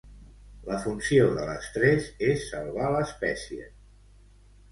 La funció de l'estrès és salvar l'espècie.